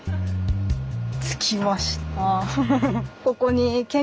着きました。